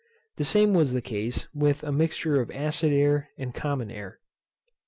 The same was the case with a mixture of acid air and common air.